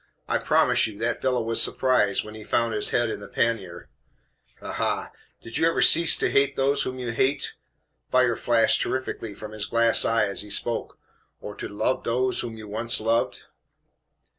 "I promise you that fellow was surprised when he found his head in the pannier. Ha! ha! Do you ever cease to hate those whom you hate?" fire flashed terrifically from his glass eye as he spoke "or to love dose whom you once loved?